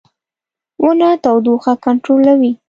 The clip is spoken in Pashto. • ونه تودوخه کنټرولوي.